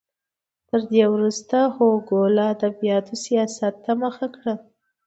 تر دې وروسته هوګو له ادبیاتو سیاست ته مخه کړه.